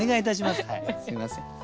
すみません。